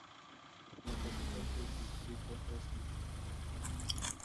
La capital del distrito es Neves.